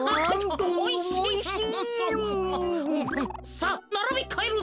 さあならびかえるぞ。